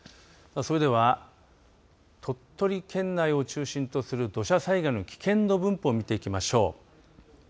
それでは、鳥取県内を中心とする土砂災害の危険の分布を見ていきましょう。